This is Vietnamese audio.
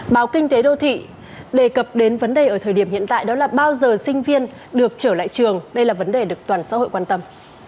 báo kinh tế đô thị đề cập đến vấn đề ở thời điểm hiện tại đó là bao giờ sinh viên được trở lại trường đây là vấn đề được toàn xã hội quan tâm